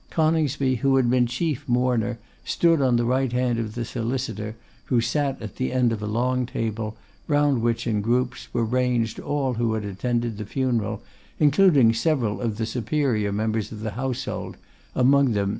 Coningsby, who had been chief mourner, stood on the right hand of the solicitor, who sat at the end of a long table, round which, in groups, were ranged all who had attended the funeral, including several of the superior members of the household, among them M.